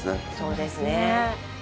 そうですね。